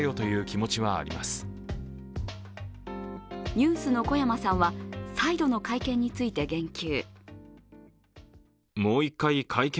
ＮＥＷＳの小山さんは再度の会見について言及。